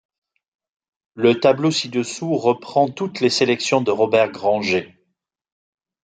Le tableau ci-dessous reprend toutes les sélections de Robert Granjé.